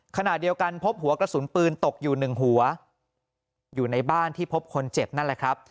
ขณะเดียวกันพบหัวกระสุนปืนตกอยู่หนึ่งหัวอยู่ในบ้านที่พบคนเจ็บนั่นแหละครับ